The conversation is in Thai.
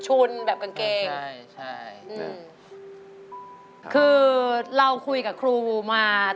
แบบกางเกงใช่ใช่อืมคือเราคุยกับครูมา